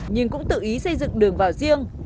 nhưng cũng tự ý xây dựng đường vào riêng